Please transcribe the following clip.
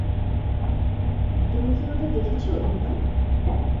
তুমি কি ওটা দেখেছো, এম্বার?